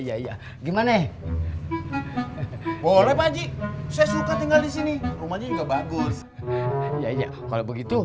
iya ya gimana boleh majik saya suka tinggal di sini rumahnya juga bagus ya iya kalau begitu